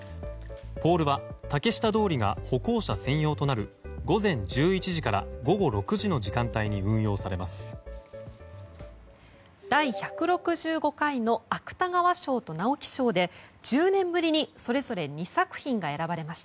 ポールは竹下通りが歩行者専用となる午前１１時から午後６時の時間帯に運用されます。